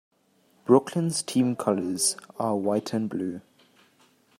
Brooklyn's team colors are white and blue.